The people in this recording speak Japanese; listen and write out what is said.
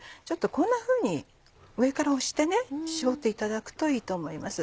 こんなふうに上から押して絞っていただくといいと思います。